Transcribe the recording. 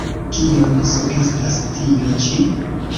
Kion sugestas tio ĉi?